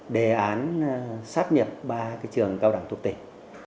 đề án sắp nhập ba trường cao đẳng thuộc tỉnh